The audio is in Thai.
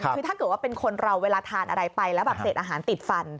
คือถ้าเกิดว่าเป็นคนเราเวลาทานอะไรไปแล้วแบบเศษอาหารติดฟัน